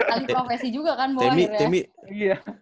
ali profesi juga kan bu akhirnya